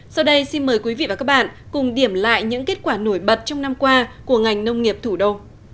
sau đây xin mời quý vị và các bạn cùng điểm lại những kết quả nổi bật trong năm qua của ngành nông nghiệp thủ đô